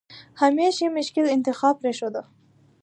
همېش یې مشکل انتخاب پرېښوده.